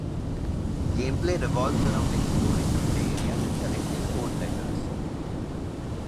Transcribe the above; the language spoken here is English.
Gameplay revolves around exploring the play-area and collecting code-letters.